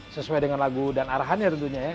sesuai dengan lagu dan arahannya tentunya ya